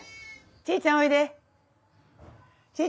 チーちゃんおいで。